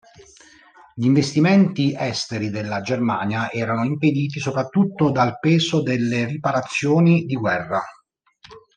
Gli investimenti esteri della Germania erano impediti soprattutto dal peso delle riparazioni di guerra.